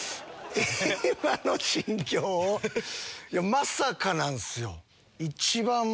まさかなんすよ。